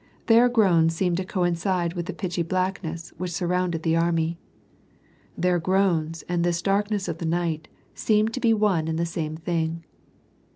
Their groans seemed to coincide with the pitchy blackness which surrounded the army. Their groans and this darkness of the night seemed to be one and the same thing.